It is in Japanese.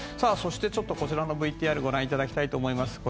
そして、こちらのＶＴＲをご覧いただきたいと思います。